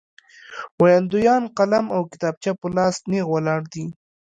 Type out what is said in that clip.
ویاندویان قلم او کتابچه په لاس نېغ ولاړ دي.